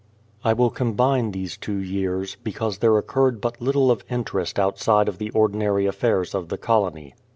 I will combine the=e two years, because there occurred but little of interest outside of the ordinary affairs of the colony.